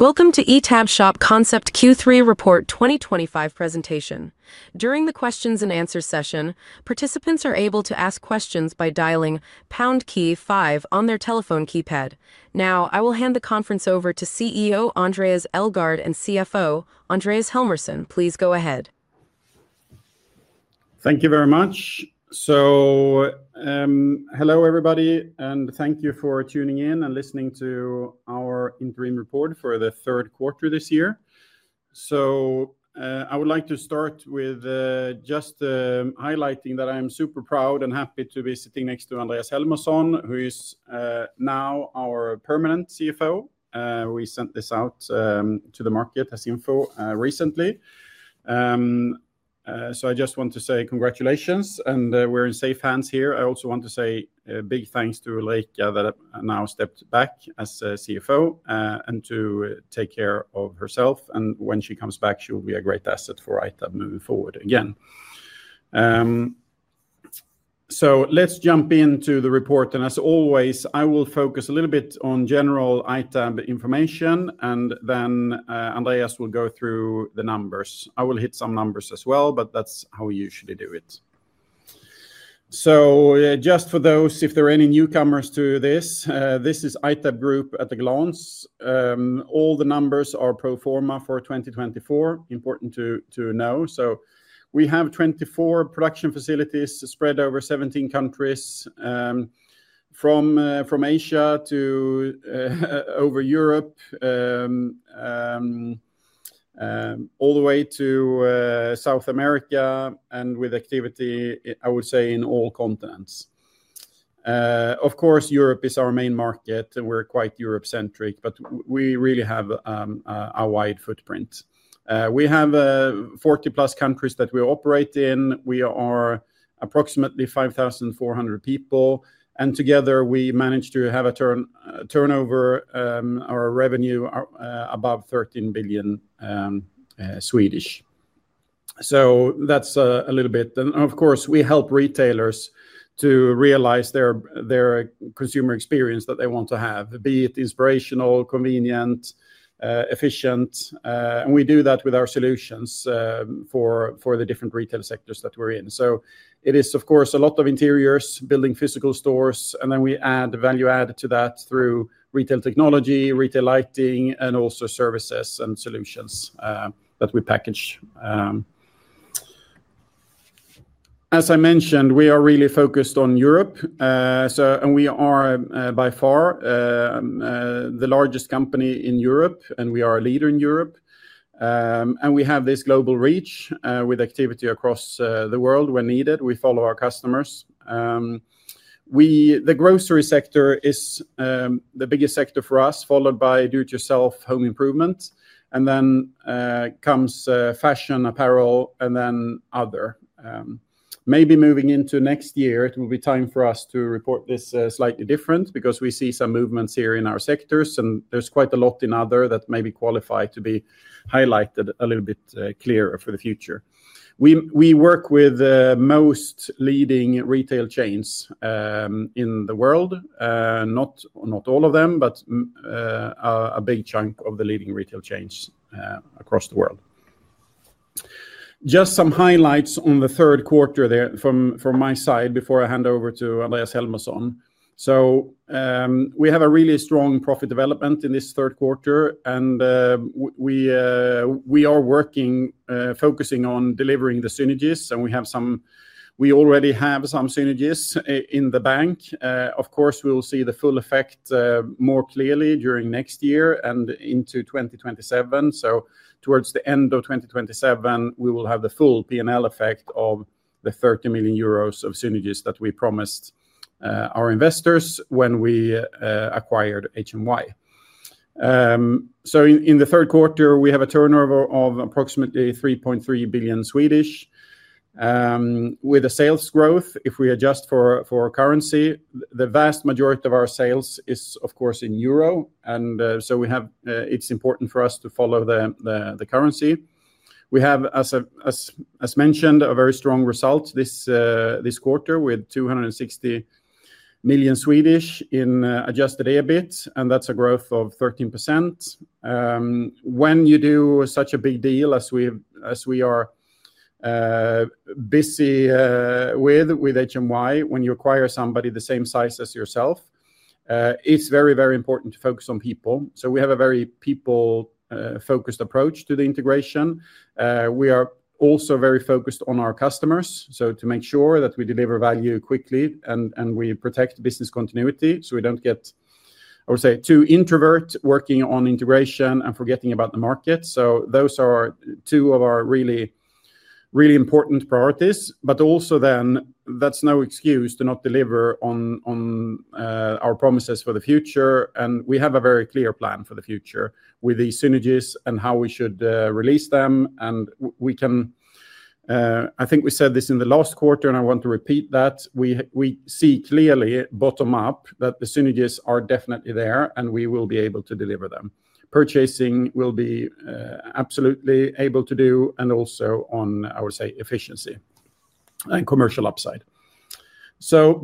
Welcome to ITAB Shop Concept Q3 Report 2025 presentation. During the questions and answers session, participants are able to ask questions by dialing pound key five on their telephone keypad. Now, I will hand the conference over to CEO Andreas Elgaard and CFO Andreas Helmersson. Please go ahead. Thank you very much. Hello everybody, and thank you for tuning in and listening to our interim report for the third quarter this year. I would like to start with just highlighting that I am super proud and happy to be sitting next to Andreas Helmersson, who is now our permanent CFO. We sent this out to the market as info recently. I just want to say congratulations, and we're in safe hands here. I also want to say a big thanks to Ulrika that now stepped back as CFO and to take care of herself. When she comes back, she will be a great asset for ITAB moving forward again. Let's jump into the report. As always, I will focus a little bit on general ITAB information, and then Andreas will go through the numbers. I will hit some numbers as well, but that's how we usually do it. Just for those, if there are any newcomers to this, this is ITAB Group at a glance. All the numbers are pro forma for 2024, important to know. We have 24 production facilities spread over 17 countries from Asia to over Europe, all the way to South America, and with activity, I would say, in all continents. Of course, Europe is our main market, and we're quite Europe-centric, but we really have a wide footprint. We have 40+ countries that we operate in. We are approximately 5,400 people, and together we manage to have a turnover or a revenue above 13 billion. That's a little bit, and of course, we help retailers to realize their consumer experience that they want to have, be it inspirational, convenient, efficient, and we do that with our solutions for the different retail sectors that we're in. It is, of course, a lot of interiors, building physical stores, and then we add value add to that through retail technology, retail lighting, and also services and solutions that we package. As I mentioned, we are really focused on Europe, and we are by far the largest company in Europe, and we are a leader in Europe, and we have this global reach with activity across the world when needed. We follow our customers. The grocery sector is the biggest sector for us, followed by do-it-yourself home improvement, and then comes fashion, apparel, and then other. Maybe moving into next year, it will be time for us to report this slightly different because we see some movements here in our sectors, and there's quite a lot in other that maybe qualify to be highlighted a little bit clearer for the future. We work with most leading retail chains in the world, not all of them, but a big chunk of the leading retail chains across the world. Just some highlights on the third quarter from my side before I hand over to Andreas Helmersson. We have a really strong profit development in this third quarter, and we are working, focusing on delivering the synergies, and we have some, we already have some synergies in the bank. Of course, we'll see the full effect more clearly during next year and into 2027. Towards the end of 2027, we will have the full P&L effect of the 30 million euros of synergies that we promised our investors when we acquired HMY. In the third quarter, we have a turnover of approximately 3.3 billion. With the sales growth, if we adjust for currency, the vast majority of our sales is, of course, in euro, and it's important for us to follow the currency. We have, as mentioned, a very strong result this quarter with 260 million in adjusted EBIT, and that's a growth of 13%. When you do such a big deal as we are busy with HMY, when you acquire somebody the same size as yourself, it's very, very important to focus on people. We have a very people-focused approach to the integration. We are also very focused on our customers, to make sure that we deliver value quickly and we protect business continuity, so we don't get, I would say, too introverted working on integration and forgetting about the market. Those are two of our really, really important priorities, but also that's no excuse to not deliver on our promises for the future, and we have a very clear plan for the future with these synergies and how we should release them. I think we said this in the last quarter, and I want to repeat that. We see clearly bottom-up that the synergies are definitely there, and we will be able to deliver them. Purchasing will be absolutely able to do, and also on, I would say, efficiency and commercial upside.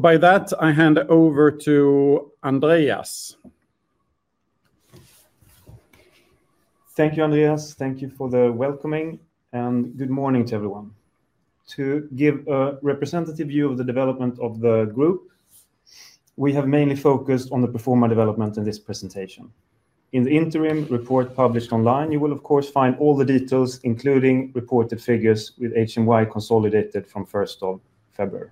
By that, I hand over to Andreas. Thank you, Andreas. Thank you for the welcoming, and good morning to everyone. To give a representative view of the development of the group, we have mainly focused on the pro forma development in this presentation. In the interim report published online, you will, of course, find all the details, including reported figures with HMY consolidated from 1st of February.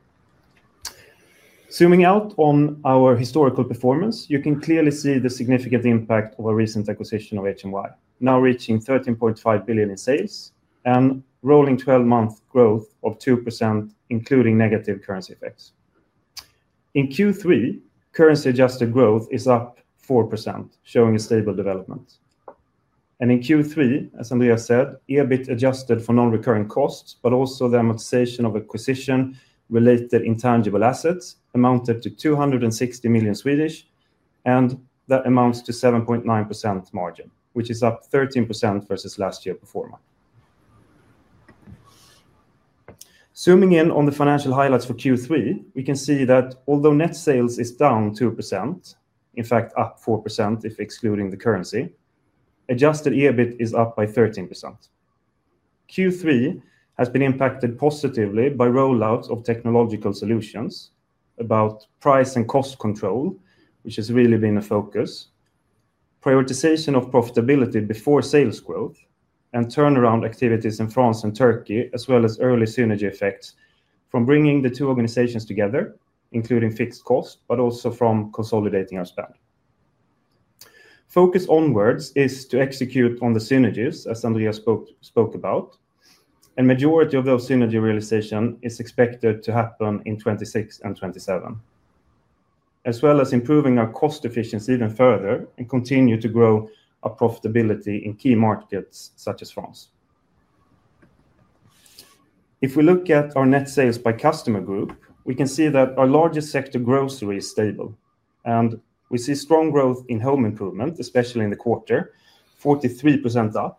Zooming out on our historical performance, you can clearly see the significant impact of our recent acquisition of HMY, now reaching 13.5 billion in sales and rolling 12-month growth of 2%, including negative currency effects. In Q3, currency-adjusted growth is up 4%, showing a stable development. In Q3, as Andreas said, adjusted EBIT for non-recurring costs, but also the amortization of acquisition-related intangible assets, amounted to 260 million, and that amounts to a 7.9% margin, which is up 13% versus last year pro forma. Zooming in on the financial highlights for Q3, we can see that although net sales is down 2%, in fact, up 4% if excluding the currency, adjusted EBIT is up by 13%. Q3 has been impacted positively by rollouts of technology solutions, about price and cost control, which has really been a focus, prioritization of profitability before sales growth, and turnaround activities in France and Turkey, as well as early synergy effects from bringing the two organizations together, including fixed cost, but also from consolidating our spend. Focus onwards is to execute on the synergies, as Andreas spoke about, and the majority of those synergy realizations is expected to happen in 2026 and 2027, as well as improving our cost efficiency even further and continue to grow our profitability in key markets such as France. If we look at our net sales by customer group, we can see that our largest sector, grocery, is stable, and we see strong growth in home improvement, especially in the quarter, 43% up,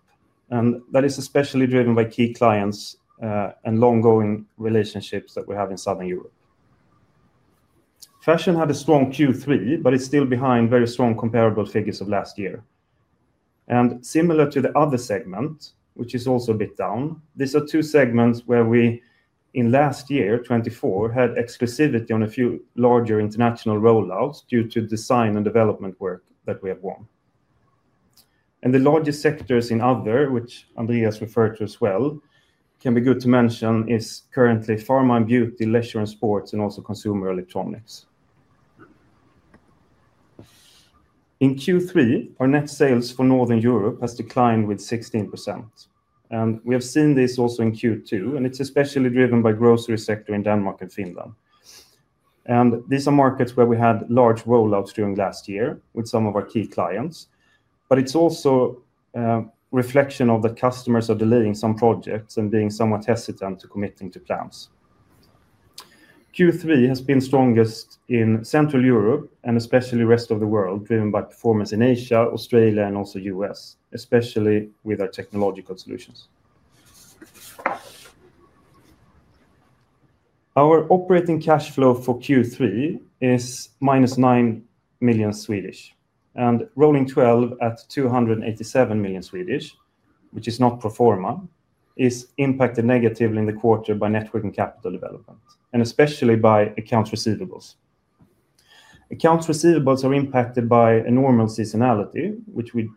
and that is especially driven by key clients and long-going relationships that we have in Southern Europe. Fashion had a strong Q3, but it's still behind very strong comparable figures of last year. Similar to the other segment, which is also a bit down, these are two segments where we, in last year, 2024, had exclusivity on a few larger international rollouts due to design and development work that we have won. The largest sectors in other, which Andreas referred to as well, can be good to mention, is currently pharma and beauty, leisure and sports, and also consumer electronics. In Q3, our net sales for Northern Europe has declined with 16%, and we have seen this also in Q2, and it's especially driven by the grocery sector in Denmark and Finland. These are markets where we had large rollouts during last year with some of our key clients, but it's also a reflection of the customers are delaying some projects and being somewhat hesitant to commit to plans. Q3 has been strongest in Central Europe and especially the rest of the world, driven by performance in Asia, Australia, and also the U.S., especially with our technology solutions. Our operating cash flow for Q3 is -9 million, and rolling 12 at 287 million, which is not pro forma, is impacted negatively in the quarter by net working capital development and especially by accounts receivable. Accounts receivable are impacted by enormous seasonality, which we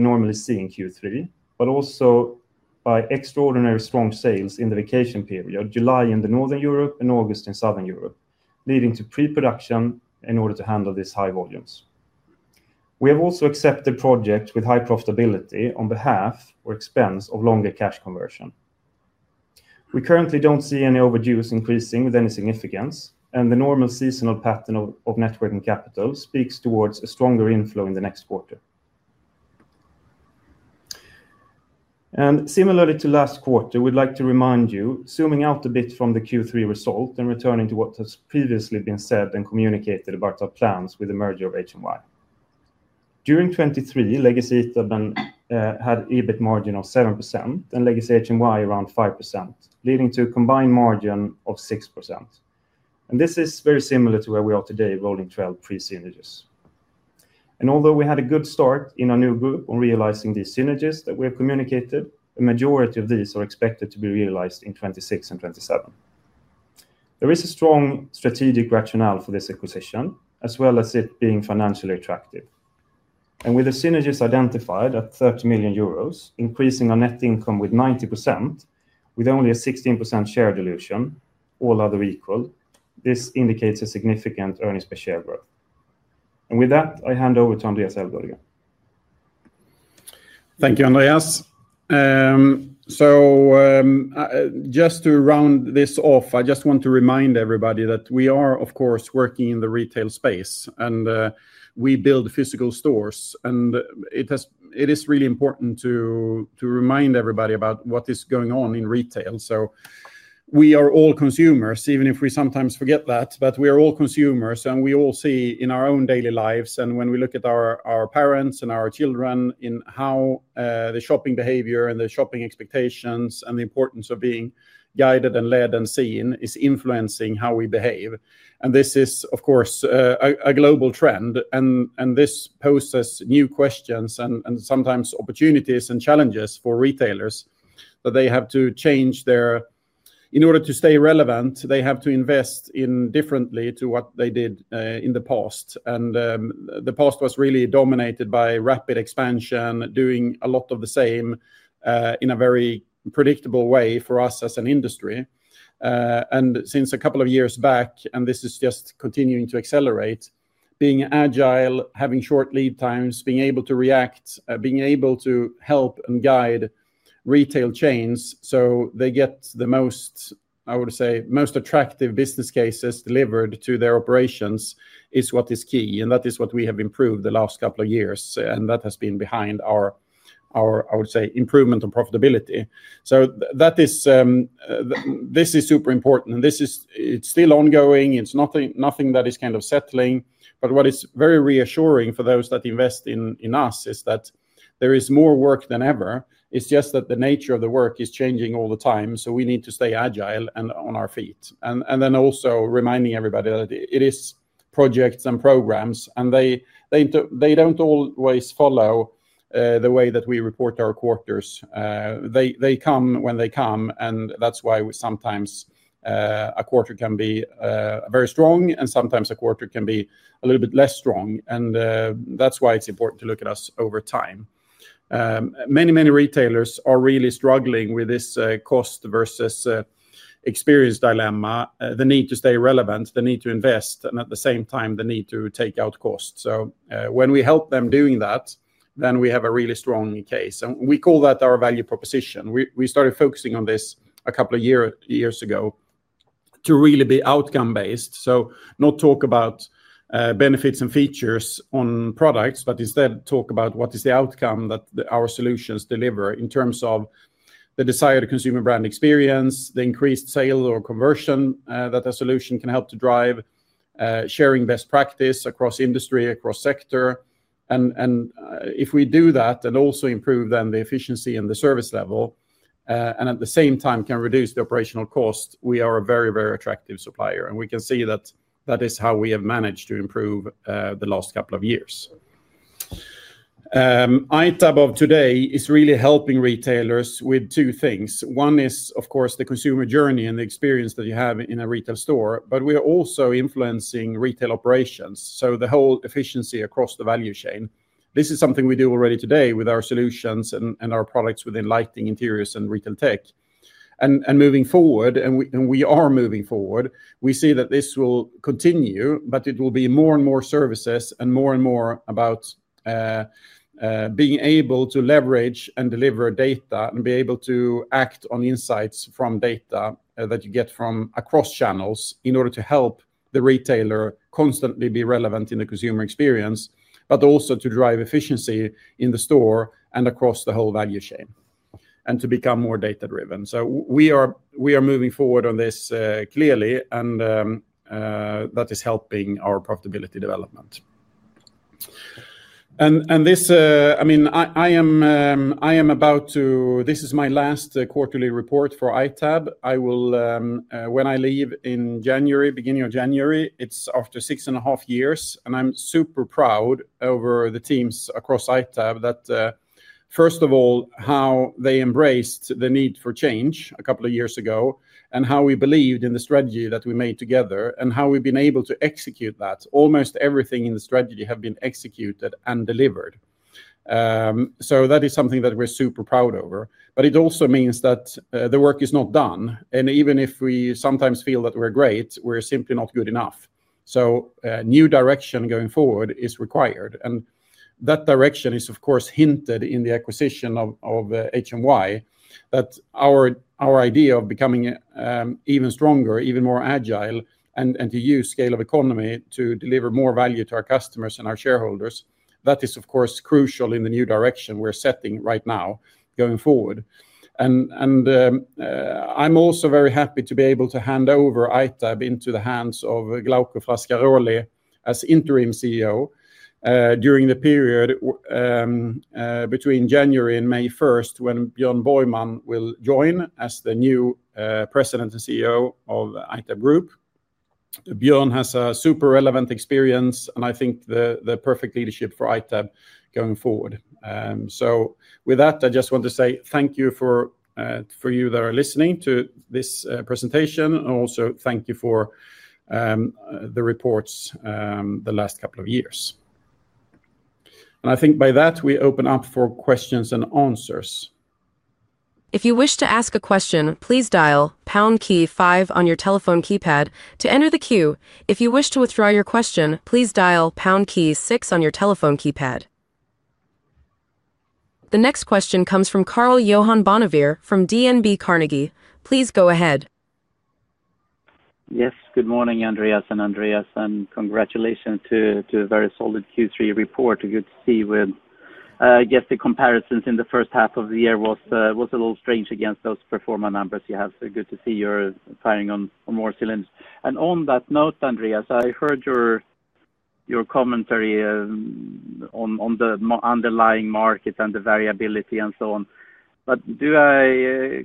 normally see in Q3, but also by extraordinary strong sales in the vacation period, July in Northern Europe and August in Southern Europe, leading to pre-production in order to handle these high volumes. We have also accepted projects with high profitability on behalf or expense of longer cash conversion. We currently don't see any overdues increasing with any significance, and the normal seasonal pattern of net working capital speaks towards a stronger inflow in the next quarter. Similarly to last quarter, we'd like to remind you, zooming out a bit from the Q3 result and returning to what has previously been said and communicated about our plans with the merger of HMY. During 2023, Legacy ITAB had an EBIT margin of 7% and Legacy HMY around 5%, leading to a combined margin of 6%. This is very similar to where we are today, rolling 12 pre-synergies. Although we had a good start in our new group on realizing these synergies that we have communicated, a majority of these are expected to be realized in 2026 and 2027. There is a strong strategic rationale for this acquisition, as well as it being financially attractive. With the synergies identified at 30 million euros, increasing our net income with 90%, with only a 16% share dilution, all other equal, this indicates a significant earnings per share growth. With that, I hand over to Andreas Elgaard again. Thank you, Andreas. To round this off, I just want to remind everybody that we are, of course, working in the retail space, and we build physical stores, and it is really important to remind everybody about what is going on in retail. We are all consumers, even if we sometimes forget that, but we are all consumers, and we all see in our own daily lives, and when we look at our parents and our children, how the shopping behavior and the shopping expectations and the importance of being guided and led and seen is influencing how we behave. This is, of course, a global trend, and this poses new questions and sometimes opportunities and challenges for retailers that they have to change their, in order to stay relevant, they have to invest differently to what they did in the past. The past was really dominated by rapid expansion, doing a lot of the same in a very predictable way for us as an industry. Since a couple of years back, and this is just continuing to accelerate, being agile, having short lead times, being able to react, being able to help and guide retail chains so they get the most, I would say, most attractive business cases delivered to their operations is what is key, and that is what we have improved the last couple of years, and that has been behind our, I would say, improvement in profitability. This is super important, and it's still ongoing. It's nothing that is kind of settling, but what is very reassuring for those that invest in us is that there is more work than ever. It's just that the nature of the work is changing all the time, so we need to stay agile and on our feet. Also reminding everybody that it is projects and programs, and they don't always follow the way that we report our quarters. They come when they come, and that's why sometimes a quarter can be very strong, and sometimes a quarter can be a little bit less strong, and that's why it's important to look at us over time. Many, many retailers are really struggling with this cost versus experience dilemma, the need to stay relevant, the need to invest, and at the same time, the need to take out costs. When we help them doing that, then we have a really strong case, and we call that our value proposition. We started focusing on this a couple of years ago to really be outcome-based, not talk about benefits and features on products, but instead talk about what is the outcome that our solutions deliver in terms of the desired consumer brand experience, the increased sales or conversion that a solution can help to drive, sharing best practice across industry, across sector. If we do that and also improve the efficiency and the service level, and at the same time can reduce the operational cost, we are a very, very attractive supplier, and we can see that that is how we have managed to improve the last couple of years. ITAB of today is really helping retailers with two things. One is, of course, the consumer journey and the experience that you have in a retail store, but we are also influencing retail operations, the whole efficiency across the value chain. This is something we do already today with our solutions and our products within lighting, interior solutions, and retail tech. Moving forward, we see that this will continue, but it will be more and more services and more and more about being able to leverage and deliver data and be able to act on insights from data that you get from across channels in order to help the retailer constantly be relevant in the consumer experience, but also to drive efficiency in the store and across the whole value chain and to become more data-driven. We are moving forward on this clearly, and that is helping our profitability development. This is my last quarterly report for ITAB. When I leave in January, beginning of January, it's after six and a half years, and I'm super proud over the teams across ITAB that, first of all, how they embraced the need for change a couple of years ago and how we believed in the strategy that we made together and how we've been able to execute that. Almost everything in the strategy has been executed and delivered. That is something that we're super proud of, but it also means that the work is not done, and even if we sometimes feel that we're great, we're simply not good enough. A new direction going forward is required, and that direction is, of course, hinted in the acquisition of HMY, that our idea of becoming even stronger, even more agile, and to use scale of economy to deliver more value to our customers and our shareholders, that is, of course, crucial in the new direction we're setting right now going forward. I'm also very happy to be able to hand over ITAB into the hands of Glauco Frascaroli as Interim CEO during the period between January and May 1, when Björn Borgman will join as the new President and CEO of ITAB Group. Björn has a super relevant experience, and I think the perfect leadership for ITAB going forward. With that, I just want to say thank you for you that are listening to this presentation, and also thank you for the reports the last couple of years. I think by that, we open up for questions and answers. If you wish to ask a question, please dial pound key five on your telephone keypad to enter the queue. If you wish to withdraw your question, please dial pound key six on your telephone keypad. The next question comes from Karl-Johan Bonnevier from DNB Carnegie. Please go ahead. Yes, good morning, Andreas and Andreas, and congratulations to a very solid Q3 report. Good to see you with, I guess, the comparisons in the first half of the year were a little strange against those pro forma numbers you have. Good to see you're firing on more cylinders. On that note, Andreas, I heard your commentary on the underlying market and the variability and so on. Do I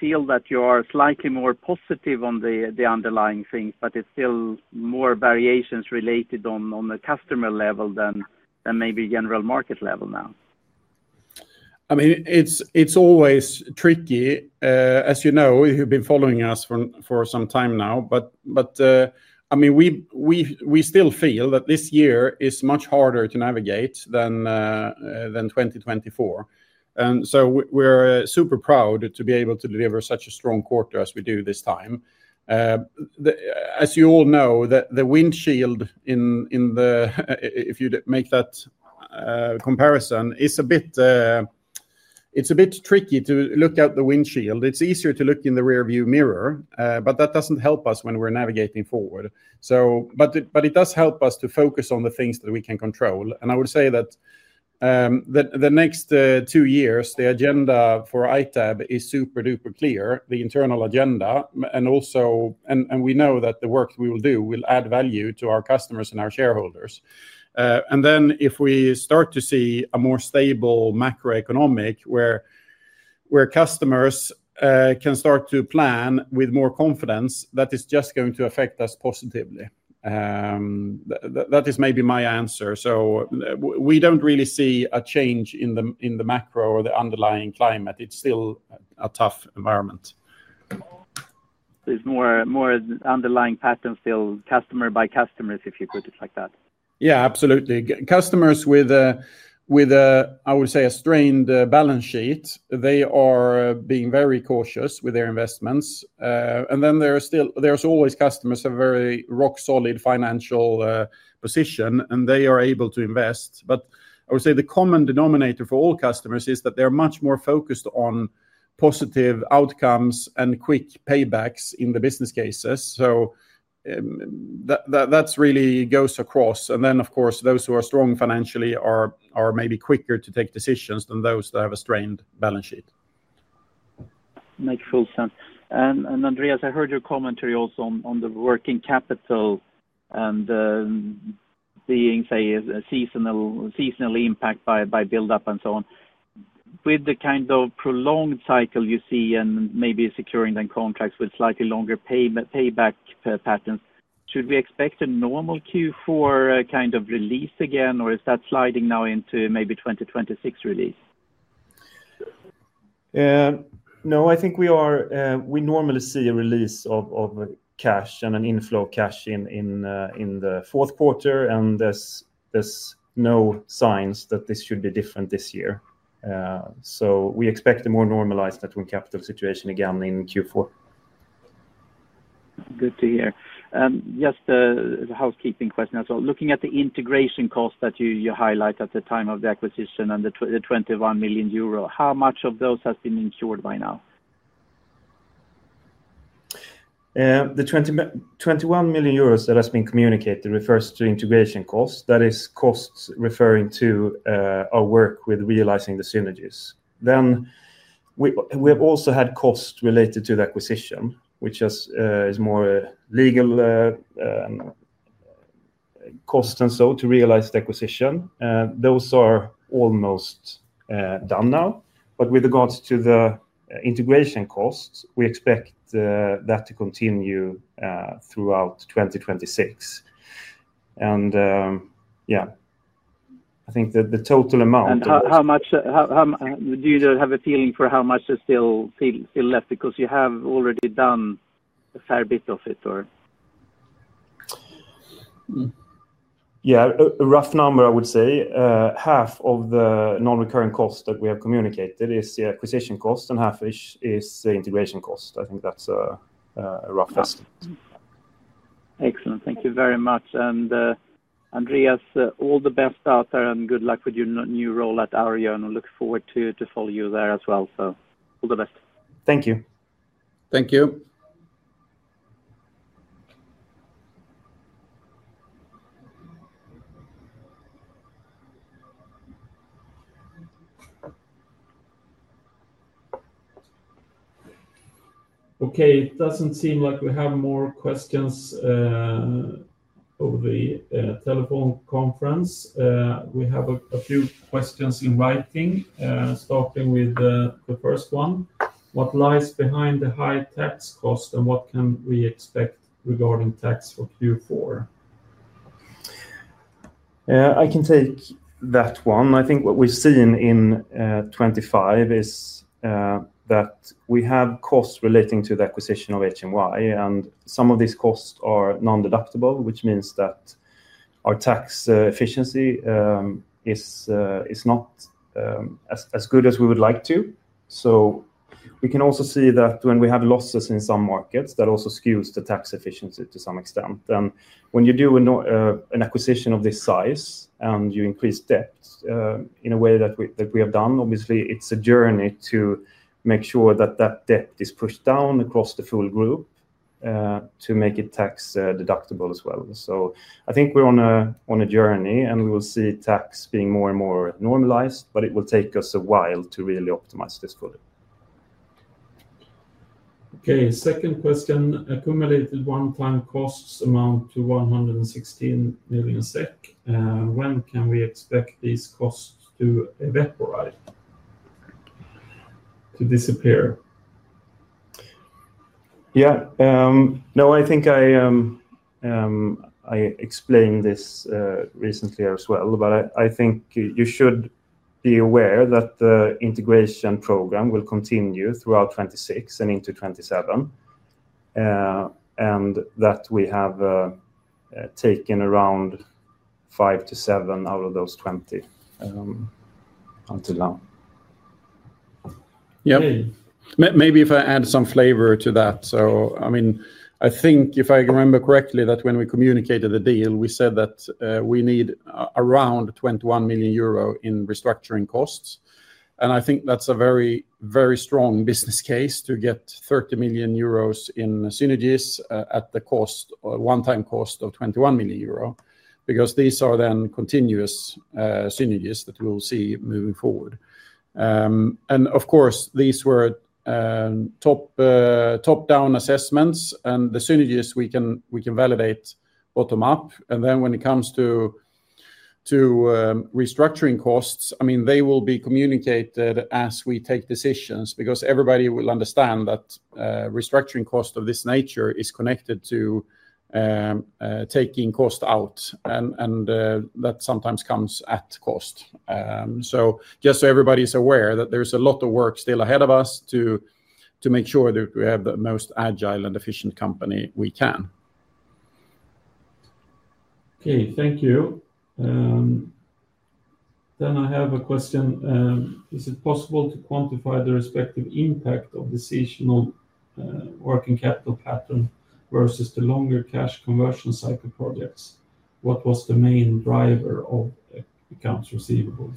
feel that you are slightly more positive on the underlying things, but it's still more variations related on the customer level than maybe general market level now? I mean, it's always tricky. As you know, you've been following us for some time now, but I mean, we still feel that this year is much harder to navigate than 2024. We're super proud to be able to deliver such a strong quarter as we do this time. As you all know, the windshield in the, if you make that comparison, it's a bit tricky to look at the windshield. It's easier to look in the rearview mirror, but that doesn't help us when we're navigating forward. It does help us to focus on the things that we can control. I would say that the next two years, the agenda for ITAB is super duper clear, the internal agenda, and also, and we know that the work that we will do will add value to our customers and our shareholders. If we start to see a more stable macroeconomic where customers can start to plan with more confidence, that is just going to affect us positively. That is maybe my answer. We don't really see a change in the macro or the underlying climate. It's still a tough environment. There's more underlying patterns still, customer by customer, if you put it like that. Yeah, absolutely. Customers with, I would say, a strained balance sheet are being very cautious with their investments. There are always customers who have a very rock-solid financial position, and they are able to invest. I would say the common denominator for all customers is that they're much more focused on positive outcomes and quick paybacks in the business cases. That really goes across. Those who are strong financially are maybe quicker to take decisions than those that have a strained balance sheet. Makes full sense. Andreas, I heard your commentary also on the working capital and seeing, say, a seasonal impact by buildup and so on. With the kind of prolonged cycle you see and maybe securing them contracts with slightly longer payback patterns, should we expect a normal Q4 kind of release again, or is that sliding now into maybe 2026 release? No, I think we are. We normally see a release of cash and an inflow of cash in the fourth quarter, and there's no signs that this should be different this year. We expect a more normalized net working capital situation again in Q4. Good to hear. Just a housekeeping question as well, looking at the integration costs that you highlight at the time of the acquisition and the 21 million euro, how much of those has been incurred by now? The 21 million euros that has been communicated refers to integration costs. That is, costs referring to our work with realizing the synergies. We have also had costs related to the acquisition, which is more legal costs and so to realize the acquisition. Those are almost done now. With regards to the integration costs, we expect that to continue throughout 2026. I think that the total amount. Do you have a feeling for how much is still left because you have already done a fair bit of it? Yeah, a rough number I would say half of the non-recurring costs that we have communicated is the acquisition cost and half-ish is the integration cost. I think that's a rough estimate. Excellent. Thank you very much. Andreas, all the best out there and good luck with your new role at Arjo. I look forward to following you there as well. All the best. Thank you. Thank you. Okay, it doesn't seem like we have more questions over the telephone conference. We have a few questions in writing, starting with the first one. What lies behind the high tax cost, and what can we expect regarding tax for Q4? I can take that one. I think what we've seen in 2025 is that we have costs relating to the acquisition of HMY, and some of these costs are non-deductible, which means that our tax efficiency is not as good as we would like to. We can also see that when we have losses in some markets, that also skews the tax efficiency to some extent. When you do an acquisition of this size and you increase debt in a way that we have done, obviously it's a journey to make sure that debt is pushed down across the full group to make it tax deductible as well. I think we're on a journey and we will see tax being more and more normalized, but it will take us a while to really optimize this for them. Okay, second question. Accumulated one-time costs amount to 116 million SEK. When can we expect these costs to evaporate, to disappear? I think I explained this recently as well, but I think you should be aware that the integration program will continue throughout 2026 and into 2027, and that we have taken around 5 to 7 out of those 20 until now. Maybe if I add some flavor to that. I mean, I think if I remember correctly that when we communicated the deal, we said that we need around 21 million euro in restructuring costs. I think that's a very, very strong business case to get 30 million euros in synergies at the one-time cost of 21 million euro, because these are then continuous synergies that we will see moving forward. These were top-down assessments and the synergies we can validate bottom-up. When it comes to restructuring costs, they will be communicated as we take decisions because everybody will understand that restructuring costs of this nature are connected to taking costs out, and that sometimes comes at cost. Just so everybody is aware, there's a lot of work still ahead of us to make sure that we have the most agile and efficient company we can. Okay, thank you. I have a question. Is it possible to quantify the respective impact of the seasonal working capital pattern versus the longer cash conversion cycle projects? What was the main driver of accounts receivable?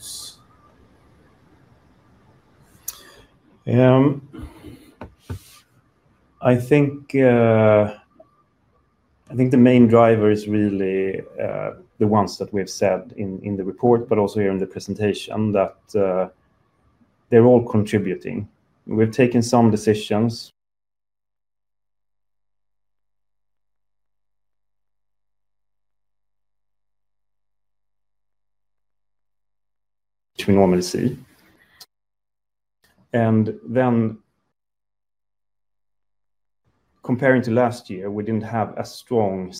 I think the main driver is really the ones that we have said in the report, but also here in the presentation, that they're all contributing. We've taken some decisions, which we normally see. Comparing to last year, we didn't have as strong.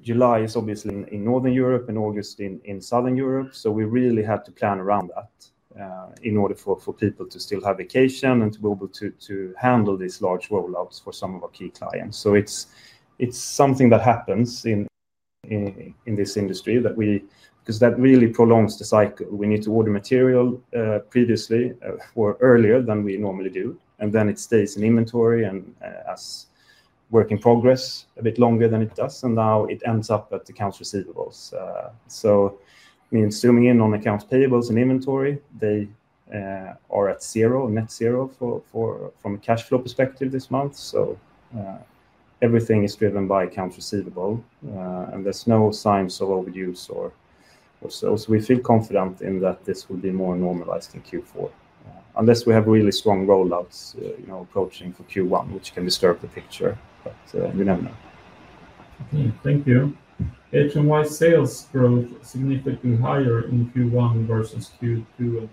July is obviously in Northern Europe and August in Southern Europe. We really had to plan around that in order for people to still have vacation and to be able to handle these large rollouts for some of our key clients. It's something that happens in this industry because that really prolongs the cycle. We need to order material previously or earlier than we normally do, and then it stays in inventory and as work in progress a bit longer than it does, and now it ends up at accounts receivable. Zooming in on accounts payables and inventory, they are at zero, net zero from a cash flow perspective this month. Everything is driven by accounts receivable, and there's no signs of overuse or so. We feel confident that this will be more normalized in Q4 unless we have really strong rollouts approaching for Q1, which can disturb the picture, but you never know. Okay, thank you. HMY sales growth significantly higher in Q1 versus Q2 and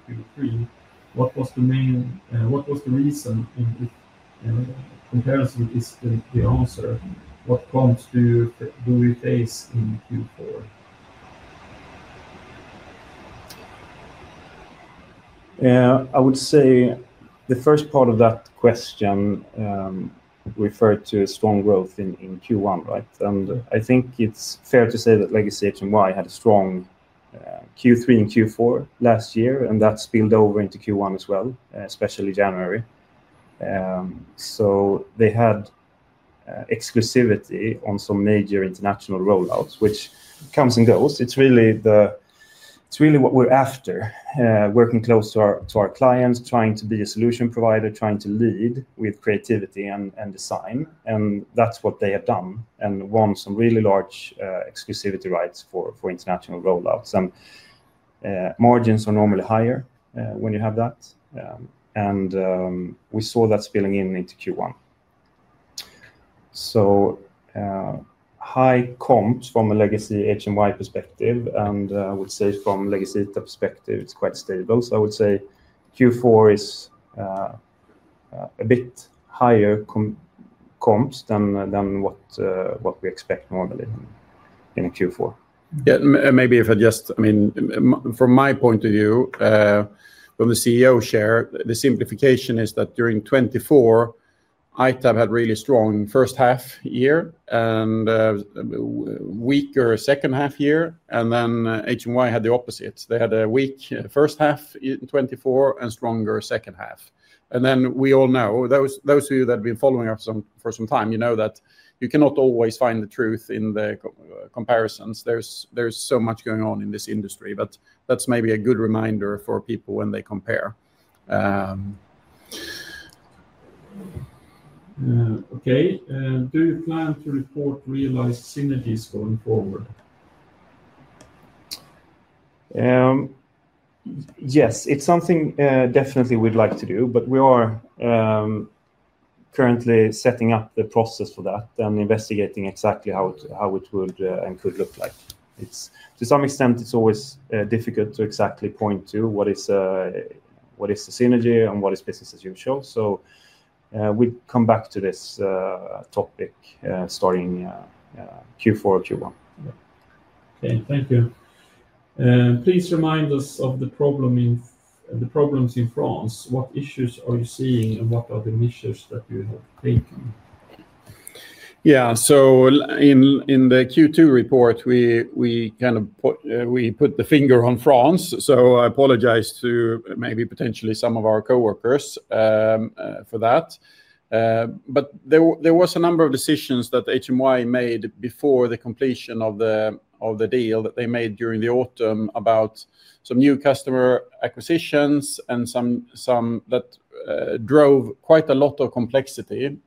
Q3. What was the reason? If comparison is the answer, what comps do you face in Q4? I would say the first part of that question referred to strong growth in Q1, right? I think it's fair to say that Legacy HMY had a strong Q3 and Q4 last year, and that spilled over into Q1 as well, especially January. They had exclusivity on some major international rollouts, which comes and goes. It's really what we're after, working close to our clients, trying to be a solution provider, trying to lead with creativity and design, and that's what they have done and won some really large exclusivity rights for international rollouts. Margins are normally higher when you have that, and we saw that spilling in into Q1. High comps from a Legacy HMY perspective, and I would say from Legacy ITAB perspective, it's quite stable. Q4 is a bit higher comps than what we expect normally in a Q4. Maybe if I just, I mean, from my point of view, from the CEO share, the simplification is that during 2024, ITAB had a really strong first half year and a weaker second half year, and then HMY had the opposite. They had a weak first half in 2024 and a stronger second half. We all know, those of you that have been following us for some time, you know that you cannot always find the truth in the comparisons. There's so much going on in this industry, but that's maybe a good reminder for people when they compare. Okay, do you plan to report realized synergies going forward? Yes, it's something definitely we'd like to do, but we are currently setting up the process for that and investigating exactly how it would and could look like. To some extent, it's always difficult to exactly point to what is the synergy and what is business as usual. We come back to this topic starting Q4 or Q1. Okay, thank you. Please remind us of the problems in France. What issues are you seeing, and what are the measures that you have taken? Yeah, in the Q2 report, we kind of put the finger on France, so I apologize to maybe potentially some of our coworkers for that. There were a number of decisions that HMY made before the completion of the deal that they made during the autumn about some new customer acquisitions and some that drove quite a lot of complexity.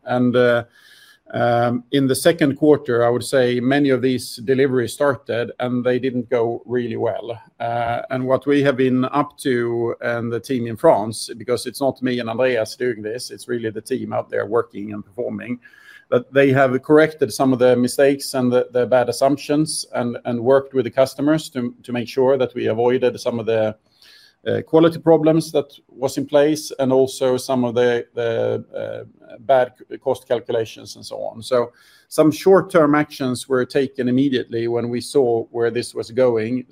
In the second quarter, I would say many of these deliveries started and they didn't go really well. What we have been up to, and the team in France, because it's not me and Andreas doing this, it's really the team out there working and performing, is that they have corrected some of the mistakes and the bad assumptions and worked with the customers to make sure that we avoided some of the quality problems that were in place and also some of the bad cost calculations and so on. Some short-term actions were taken immediately when we saw where this was going.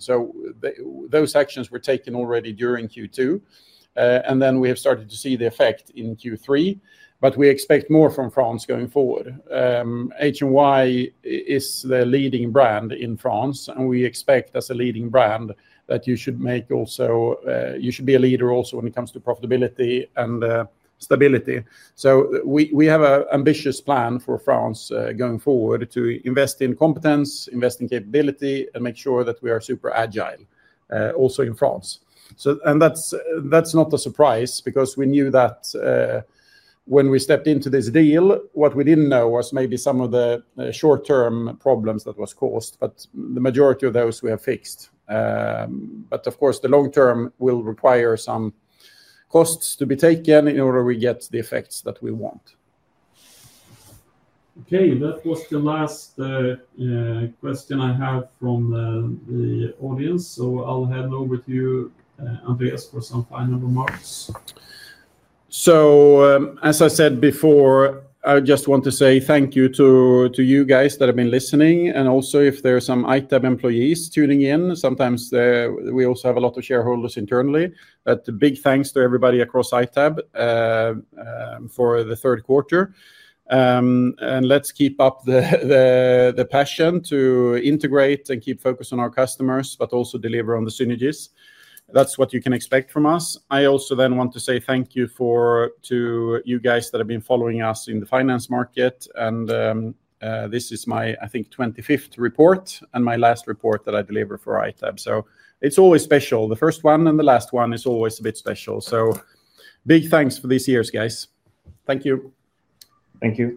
Those actions were taken already during Q2, and we have started to see the effect in Q3, but we expect more from France going forward. HMY is the leading brand in France, and we expect as a leading brand that you should be a leader also when it comes to profitability and stability. We have an ambitious plan for France going forward to invest in competence, invest in capability, and make sure that we are super agile also in France. That's not a surprise because we knew that when we stepped into this deal. What we didn't know was maybe some of the short-term problems that were caused, but the majority of those we have fixed. Of course, the long-term will require some costs to be taken in order we get the effects that we want. Okay, that was the last question I have from the audience. I'll hand over to you, Andreas, for some final remarks. As I said before, I just want to say thank you to you guys that have been listening, and also if there are some ITAB employees tuning in, sometimes we also have a lot of shareholders internally. Big thanks to everybody across ITAB for the third quarter. Let's keep up the passion to integrate and keep focused on our customers, but also deliver on the synergies. That's what you can expect from us. I also want to say thank you to you guys that have been following us in the finance market. This is my, I think, 25th report and my last report that I delivered for ITAB. It's always special. The first one and the last one is always a bit special. Big thanks for these years, guys. Thank you. Thank you.